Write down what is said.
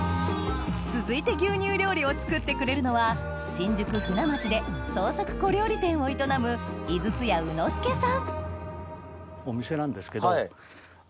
続いて牛乳料理を作ってくれるのは新宿・舟町で創作小料理店を営む尖がった。